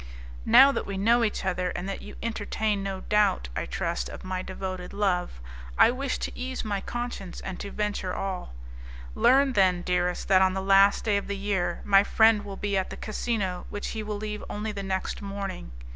"Now that we know each other, and that you entertain no doubt, I trust, of my devoted love, I wish to ease my conscience and to venture all. Learn then, dearest, that on the last day of the year, my friend will be at the casino, which he will leave only the next morning.